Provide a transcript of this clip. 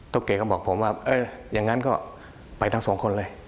แกก็บอกผมว่าอย่างนั้นก็ไปทั้งสองคนเลย